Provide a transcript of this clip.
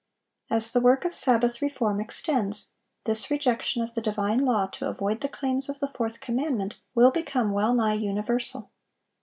As the work of Sabbath reform extends, this rejection of the divine law to avoid the claims of the fourth commandment will become well nigh universal.